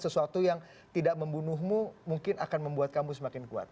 sesuatu yang tidak membunuhmu mungkin akan membuat kamu semakin kuat